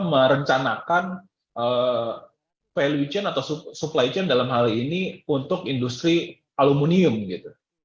merencanakan value chain atau supply chain dalam hal ini untuk industri aluminium gitu